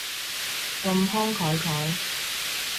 咁慷慨嘅